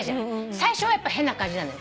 最初はやっぱ変な感じなのよ。